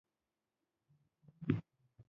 وزیرستان، پاکستان نه دی.